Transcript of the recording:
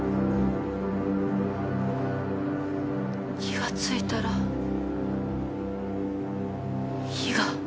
気がついたら火が。